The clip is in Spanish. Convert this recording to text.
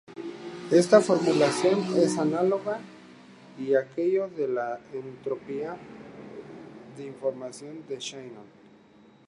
Esta formulación es análoga a aquello de la entropía de información de Shannon.